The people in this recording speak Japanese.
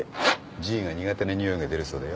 Ｇが苦手なにおいが出るそうだよ。